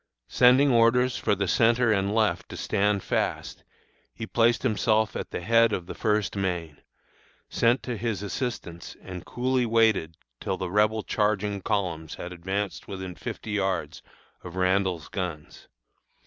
"Sending orders for the centre and left to stand fast, he placed himself at the head of the First Maine, sent to his assistance, and coolly waited till the Rebel charging columns had advanced within fifty yards of Randall's guns.